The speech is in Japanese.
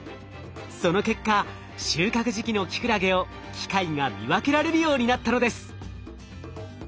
その結果収穫時期のキクラゲを機械が見分けられるようになったのです。